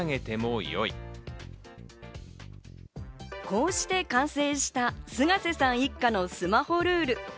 こうして完成した菅瀬さん一家のスマホルール。